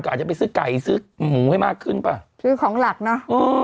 อาจจะไปซื้อไก่ซื้อหมูให้มากขึ้นป่ะซื้อของหลักเนอะ